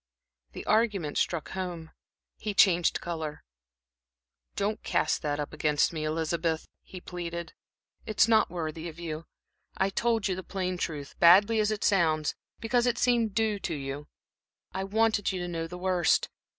The argument struck home. He changed color. "Don't cast that up against me, Elizabeth," he pleaded. "It's not worthy of you. I told you the plain truth, badly as it sounds, because it seemed due to you I wanted you to know the worst.